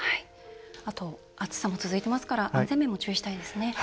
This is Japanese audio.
あと暑さも続いてますから安全面も注意したいですね。